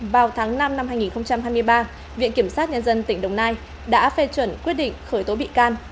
vào tháng năm năm hai nghìn hai mươi ba viện kiểm sát nhân dân tỉnh đồng nai đã phê chuẩn quyết định khởi tố bị can